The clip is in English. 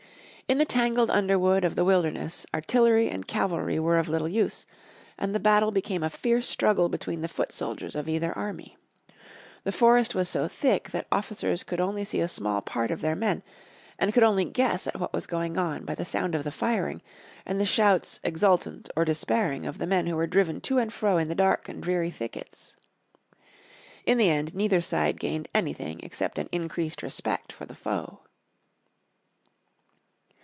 In the tangled underwood of the Wilderness artillery and cavalry were of little use, and the battle became a fierce struggle between the foot soldiers of either army. The forest was so thick that officers could only see a small part of their men, and could only guess at what was going on by the sound of the firing, and the shouts exultant or despairing, of the men who were drive to and fro in the dark and dreary thickets. In the end neither side gained anything except an increased respect for the foe.